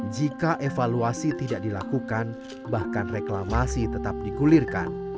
jika evaluasi tidak dilakukan bahkan reklamasi tetap digulirkan